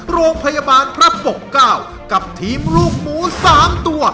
โรงพยาบาลพระปกเก้ากับทีมลูกหมู๓ตัว